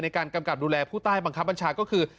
กำกับดูแลผู้ใต้บังคับบัญชาก็คือ